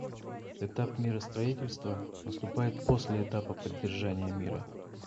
Этап миростроительства наступает после этапа поддержания мира.